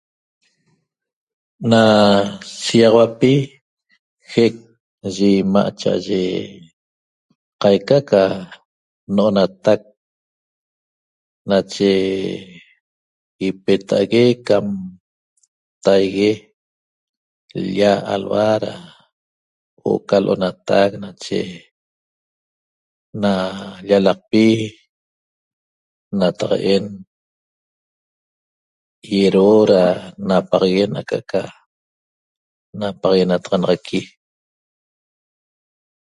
Na shigaxauapi jec ye ima' cha'aye qaica ca no'onatac nache ipetague' cam taigue l-lla alhua huo'o ca lo'onatac nache na llalaqpi nataqaen iuerhuo aca'aca napaxaguenataxanaqui